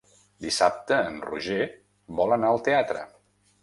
Dissabte en Roger vol anar al teatre.